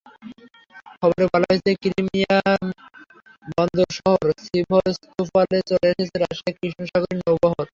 খবরে বলা হয়েছে, ক্রিমিয়ার বন্দর শহর সিভাস্তোপলে চলে এসেছে রাশিয়ার কৃষ্ণ সাগরীয় নৌবহর।